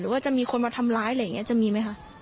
ว่าจะมีคนมาทำร้ายอะไรอย่างนี้จะมีไหมคะ